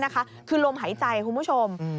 คือลมหายใจคุณผู้ชม